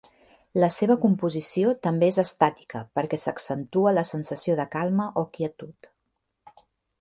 La seva composició també és estàtica, perquè s'accentua la sensació de calma o quietud.